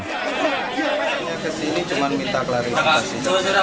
pernah kesini cuma minta klarifikasi